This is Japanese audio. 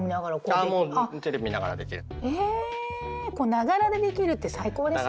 ながらでできるって最高ですね！